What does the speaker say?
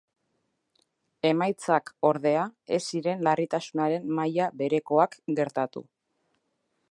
Emaitzak, ordea, ez ziren larritasunaren maila berekoak gertatu.